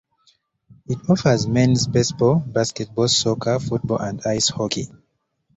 It offers men's Baseball, Basketball, Soccer, Football, and ice hockey.